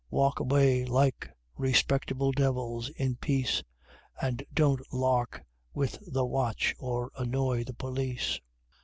Walk away, like respectable Devils, in peace, And don't 'lark' with the watch, or annoy the police!"